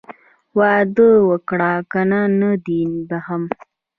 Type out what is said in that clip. واده وکړه که نه نه دې بښم.